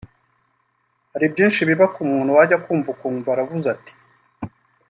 Hari byinshi biba ku muntu wajya kumva ukumva aravuze ati